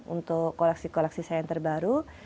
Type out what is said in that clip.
untuk koleksi koleksi saya yang terbaru